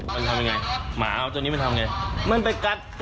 มันทำยังไงหมาเอาจนนี้มันทำยังไง